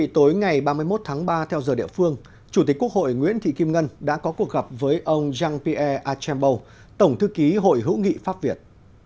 tối ngày ba mươi một tháng ba theo giờ địa phương chủ tịch quốc hội nguyễn thị kim ngân đã có cuộc gặp với ông jean pierre achembo tổng thư ký hội hữu nghị pháp việt